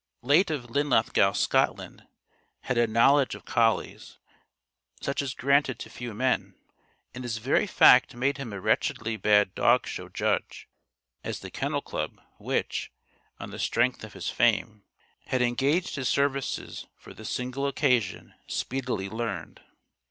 (late of Linlithgow, Scotland), had a knowledge of collies such as is granted to few men, and this very fact made him a wretchedly bad dog show judge; as the Kennel Club, which on the strength of his fame had engaged his services for this single occasion, speedily learned.